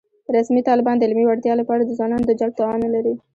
رسمي طالبان د علمي وړتیا له پاره د ځوانانو د جلب توان نه لري